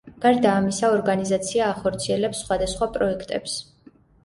გარდა ამისა, ორგანიზაცია ახორციელებს სხვადასხვა პროექტებს.